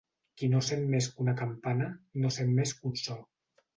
Qui no sent més que una campana, no sent més que un so.